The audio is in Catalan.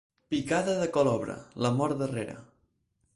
Picada de colobra, la mort darrere.